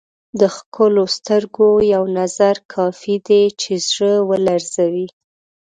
د ښکلو سترګو یو نظر کافي دی چې زړه ولړزوي.